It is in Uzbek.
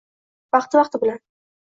Vaqti-vaqti bilan